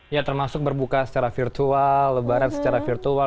ya termasuk berbuka secara virtual lebaran secara virtual